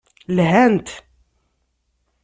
Lhant.